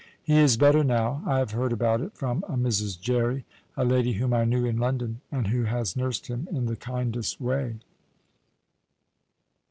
He is better now. I have heard about it from a Mrs. Jerry, a lady whom I knew in London, and who has nursed him in the kindest way."